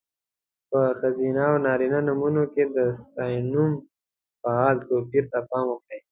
په ښځینه او نارینه نومونو کې د ستاینوم، فعل... توپیر ته پام وکړئ.